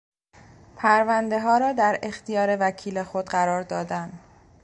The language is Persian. پروندهها را در اختیار وکیل خود قرار دادن